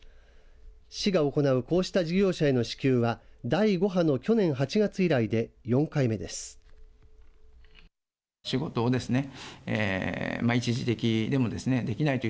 市が行うこうした事業者への支給は第５波の去年８月以来で４回目です。